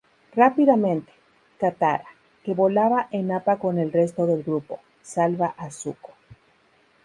Rápidamente, Katara, que volaba en Appa con el resto del grupo, salva a Zuko.